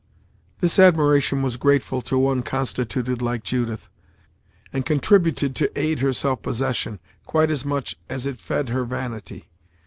This admiration was grateful to one constituted like Judith, and contributed to aid her self possession, quite as much as it fed her vanity.